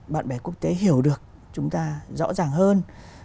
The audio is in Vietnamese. bạn bè quốc tế hiểu được chúng ta rõ ràng hơn